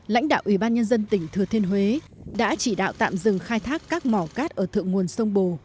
lãnh đạo ủy ban nhân dân tỉnh thừa thiên huế đã chỉ đạo tạm dừng khai thác các mỏ cát ở thượng nguồn sông bồ